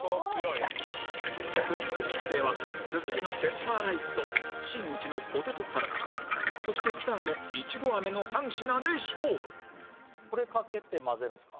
続いて２期生は鈴木のペッパーライスと新内のポテトサラダそして北野のイチゴ飴の３品で勝負これかけて混ぜるんですか？